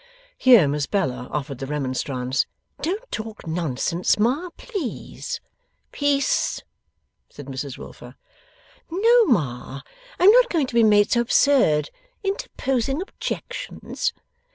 Here Miss Bella offered the remonstrance: 'Don't talk nonsense, ma, please.' 'Peace!' said Mrs Wilfer. 'No, ma, I am not going to be made so absurd. Interposing objections!